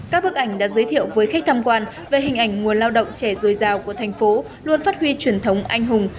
các bức ảnh đã giới thiệu với khách tham quan về hình ảnh nguồn lao động trẻ dồi dào của thành phố luôn phát huy truyền thống anh hùng